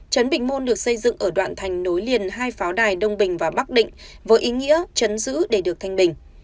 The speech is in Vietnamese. trấn bình môn được xây dựng ở đoạn thành nối liền hai pháo đài đông bình và bắc định với ý nghĩa chấn giữ để được thanh bình